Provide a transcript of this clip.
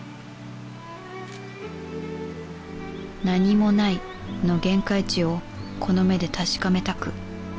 「なにもない」の限界値をこの目で確かめたく